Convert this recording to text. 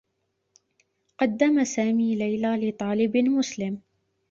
قدّم سامي ليلى لطالب مسلم.